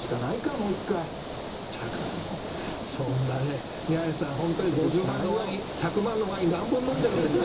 だからもう、そんなね、宮根さん、本当にね、５０万のワイン、１００万のワイン、何本飲んでるんですか。